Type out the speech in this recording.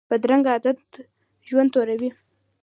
بدرنګه عادت ژوند توروي